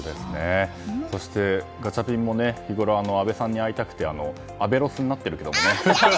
そしてガチャピンも日ごろ阿部さんに会いたくて阿部ロスになってるけどね。